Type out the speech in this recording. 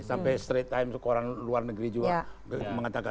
sampai straight time koran luar negeri juga mengatakan